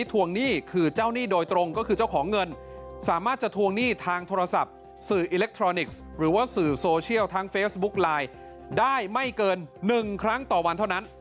ถ้าจะทวงหนี้ทางโทรศัพท์สื่ออิเล็กทรอนิกส์หรือว่าสื่อโซเชียลทางเฟซบุ๊คไลน์ได้ไม่เกิน๑ครั้งต่อวันเท่านั้น